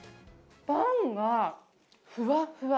パンがふわふわ。